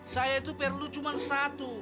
saya itu perlu cuma satu